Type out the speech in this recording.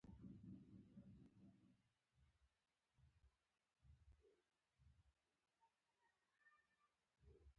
هغه کلکتې ته ورسېدی.